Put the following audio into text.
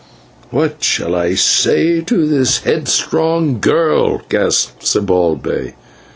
"What shall I say to this headstrong girl?" gasped Zibalbay.